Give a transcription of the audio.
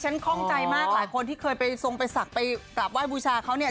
คล่องใจมากหลายคนที่เคยไปทรงไปศักดิ์ไปกราบไห้บูชาเขาเนี่ย